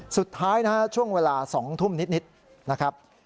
สุดท้ายนะฮะช่วงเวลา๒ทุ่มนิดนะครับ